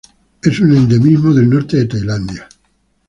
Es un endemismo del norte de Tailandia.